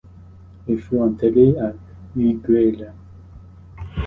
Il fut enterré à Viguera.